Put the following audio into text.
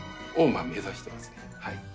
はい。